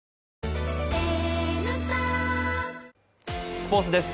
スポーツです。